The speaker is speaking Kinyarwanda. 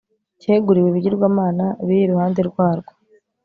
cyeguriwe ibigirwamana biri iruhande rwarwo